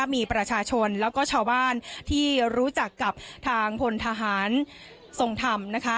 มีประชาชนแล้วก็ชาวบ้านที่รู้จักกับทางพลทหารทรงธรรมนะคะ